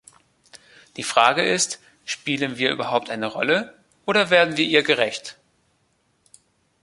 Die Frage ist, spielen wir überhaupt eine Rolle, oder werden wir ihr gerecht?